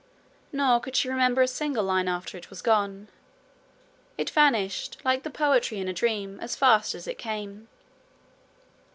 Nor could she remember a single line after it was gone. It vanished, like the poetry in a dream, as fast as it came.